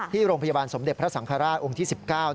ที่โรงพยาบาลสมเด็จพระสังฆราชองค์ที่๑๙